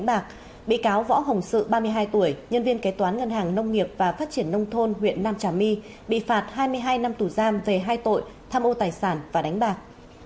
các bị cáo võ hồng sự ba mươi hai tuổi nhân viên kế toán ngân hàng nông nghiệp và phát triển nông thôn huyện nam trà my bị phạt hai mươi hai năm tù giam về hai tội tham ô tài sản và đánh bạc